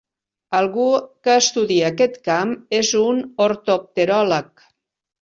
Algú que estudia aquest camp és un ortopteròleg.